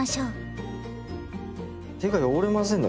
手が汚れませんね